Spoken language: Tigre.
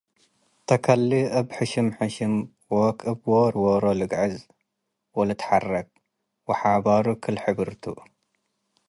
ተከሊት እብ ሐሽሸም-ሐሽም ዎክ እብ ዎሮ-ዎሮ ልግዕዝ ወልትሐረክ፡ ወሓባሩ ክል-ሕብር ቱ።